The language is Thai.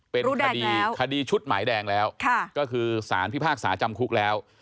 เป็นคดีคดีชุดหมายแดงแล้วก็คือสารพิพากษาจำคุกแล้ว